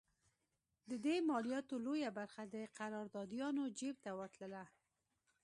د دې مالیاتو لویه برخه د قراردادیانو جېب ته ورتله.